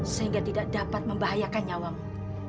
sehingga tidak dapat membahayakan nyawamu